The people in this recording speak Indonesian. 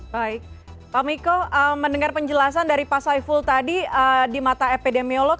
baik pak miko mendengar penjelasan dari pak saiful tadi di mata epidemiolog